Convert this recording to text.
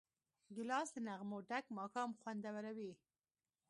ګیلاس له نغمو ډک ماښام خوندوروي.